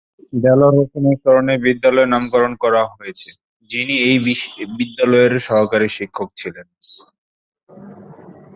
দেলোয়ার হোসেনের স্মরণে বিদ্যালয়ের নামকরণ করা হয়েছে, যিনি এই বিদ্যালয়ের সহকারী শিক্ষক ছিলেন।